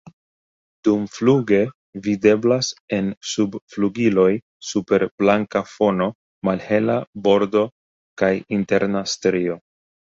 Dumfluge videblas en subflugiloj super blanka fono malhela bordo kaj interna strio.